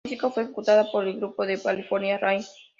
La música fue ejecutada por el grupo de California, "Rain".